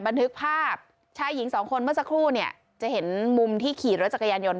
บันทึกภาพชายหญิงสองคนเมื่อสักครู่เนี่ยจะเห็นมุมที่ขี่รถจักรยานยนต